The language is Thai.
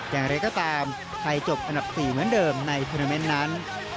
อย่างไรก็ตามไทยจบอันดับ๔เหมือนเดิมในทวนาเมนต์นั้น